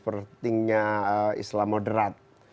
pentingnya islam moderat